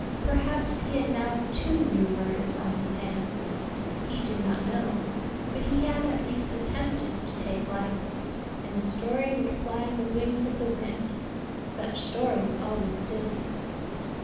Perhaps he had now two new murders on his hands; he did not know, but he had at least attempted to take life, and the story would fly on the wings of the wind; such stories always did.